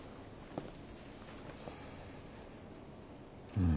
うん。